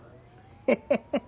ヘヘヘ。